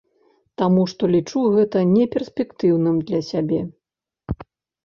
Таму што лічу гэта не перспектыўным для сябе.